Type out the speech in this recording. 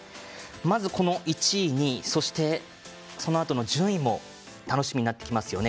まず、この１位、２位そのあとの順位も楽しみになってきますよね。